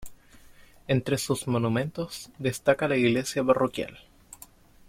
Entre sus monumentos, destaca la iglesia parroquial.